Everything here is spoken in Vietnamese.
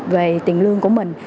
về tiền lương của mình